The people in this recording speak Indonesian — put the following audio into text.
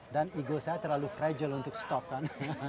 dan ego saya terlalu fragile untuk stop kan